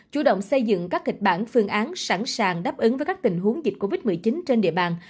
chủ động xây dựng các kịch bản phương án sẵn sàng đáp ứng với các tình huống dịch covid một mươi chín trên địa bàn